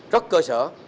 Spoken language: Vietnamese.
rất cơ sở